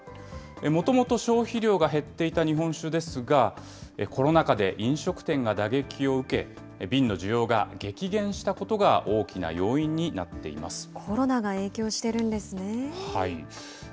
もともと消費量が減っていた日本酒ですが、コロナ禍で飲食店が打撃を受け、瓶の需要が激減したことが大きなコロナが影響してるんですね。